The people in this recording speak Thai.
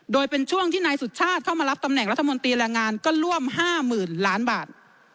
โดยเป็นช่วงที่นายสุชาติเข้ามารับตำแหน่งรัฐมนตรีแรงงานก็ร่วม๕๐๐๐ล้านบาท